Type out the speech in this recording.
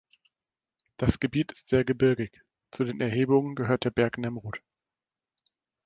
Das Gebiet ist sehr gebirgig, zu den Erhebungen gehört der Berg Nemrut.